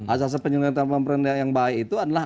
azas azas penyelenggaraan pemerintahan yang baik itu adalah